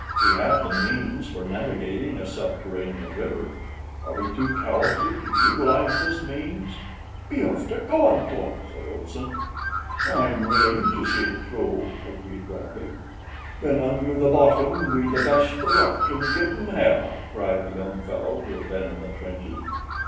We have the means for navigating a subterranean river. Are we too cowardly to utilize this means?" "Be afther goin' to it," said Olson. "I'm willing to see it through," agreed Bradley. "Then under the bottom, wi' the best o' luck an' give 'em hell!" cried a young fellow who had been in the trenches.